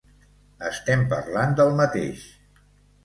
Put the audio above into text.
Estem parlant del mateix.